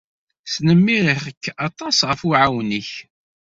Snemmireɣ-k aṭas ɣef uɛawen-nnek.